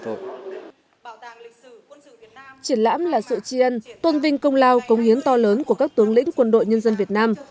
triển lãm là sự tri ân tôn vinh công lao công hiến to lớn của các tướng lĩnh quân đội nhân dân việt nam